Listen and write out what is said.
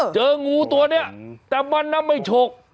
เจองูตัวนี้แต่มันไม่ฉก